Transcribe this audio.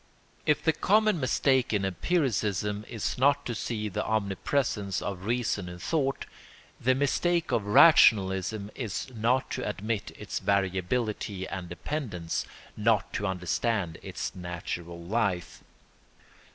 ] If the common mistake in empiricism is not to see the omnipresence of reason in thought, the mistake of rationalism is not to admit its variability and dependence, not to understand its natural life.